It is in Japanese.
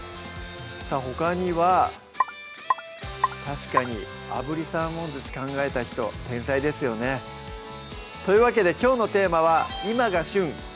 さぁほかには確かに炙りサーモン寿司考えた人天才ですよねというわけできょうのテーマは今が旬！